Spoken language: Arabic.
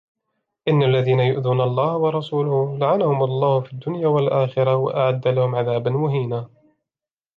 إن الذين يؤذون الله ورسوله لعنهم الله في الدنيا والآخرة وأعد لهم عذابا مهينا